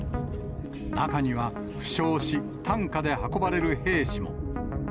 中には負傷し、担架で運ばれる兵士も。